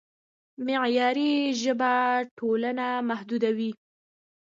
معیاري ژبه ټولنه متحدوي.